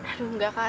aduh enggak kak